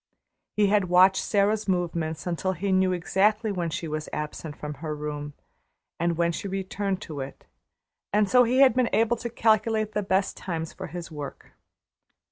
He had watched Sara's movements until he knew exactly when she was absent from her room and when she returned to it, and so he had been able to calculate the best times for his work.